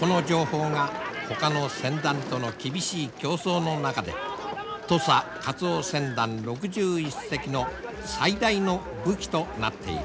この情報がほかの船団との厳しい競争の中で土佐カツオ船団６１隻の最大の武器となっている。